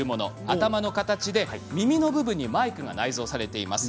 頭の形で耳の部分にマイクが内蔵されています。